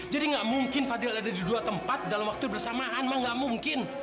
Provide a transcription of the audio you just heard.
jadi gak mungkin fadil ada di dua tempat dalam waktu bersamaan mak gak mungkin